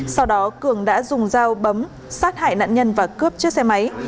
sau đó cường đã dùng dao bấm sát hại nạn nhân và cướp chiếc xe máy